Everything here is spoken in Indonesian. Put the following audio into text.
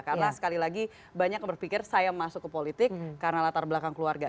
karena sekali lagi banyak yang berpikir saya masuk ke politik karena latar belakang keluarga